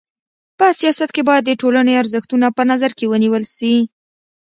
په سیاست کي بايد د ټولني ارزښتونه په نظر کي ونیول سي.